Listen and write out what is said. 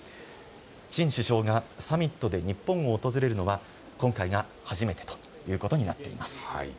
チン首相がサミットで日本を訪れるのは今回が初めてということになっています。